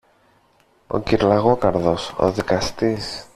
ο κυρ-Λαγόκαρδος ο δικαστής